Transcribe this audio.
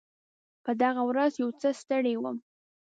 په دغه ورځ یو څه ستړی وم.